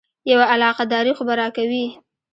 یوه علاقه داري خو به راکوې.